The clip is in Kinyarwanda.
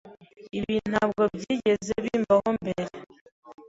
Ibi ntabwo byigeze bimbaho mbere.